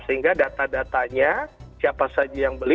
sehingga data datanya siapa saja yang beli